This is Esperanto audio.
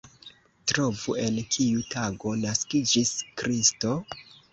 Trovu, en kiu tago naskiĝis Kristo?